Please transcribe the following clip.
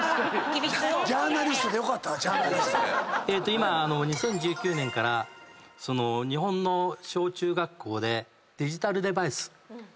今２０１９年から日本の小中学校でデジタルデバイス。